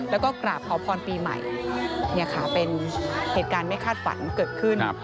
แล้วก็กราบขอพรปีใหม่เนี่ยค่ะเป็นเหตุการณ์ไม่คาดฝันเกิดขึ้น